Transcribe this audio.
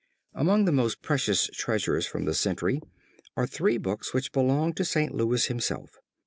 Among the most precious treasures from the century are three books which belonged to St. Louis himself.